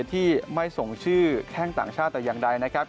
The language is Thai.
ที่ไม่ส่งชื่อแข้งต่างชาติแต่อย่างใดนะครับ